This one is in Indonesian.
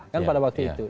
kan pada waktu itu